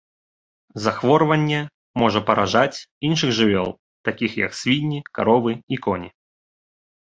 Захворванне можа паражаць іншых жывёл, такіх як свінні, каровы і коні.